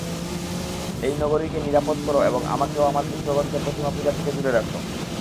এই নগরীকে নিরাপদ করো এবং আমাকে ও আমার পুত্রগণকে প্রতিমা পূজা থেকে দূরে রেখ।